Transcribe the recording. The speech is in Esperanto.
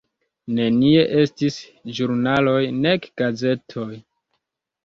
Nenie estis ĵurnaloj, nek gazetoj.